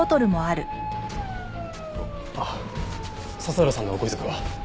あっ佐々浦さんのご遺族は？